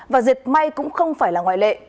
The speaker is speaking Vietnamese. và diệt may cũng không phải là ngoại lệ